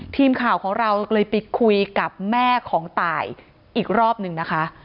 ทีมข่าวของเราเลยไปคุยกับแม่ของตายอีกรอบหนึ่งนะคะ